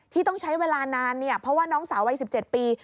ที่ต้องใช้เวลานานเนี่ยเพราะว่าน้องสาววัย๑๗ปี